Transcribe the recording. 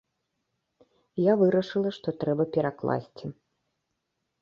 Я вырашыла, што трэба перакласці.